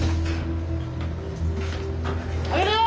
上げるよ！